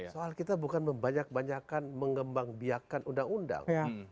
soal kita bukan membanyak banyakan mengembang biakan undang undang